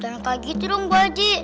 jangan kaget dong bu haji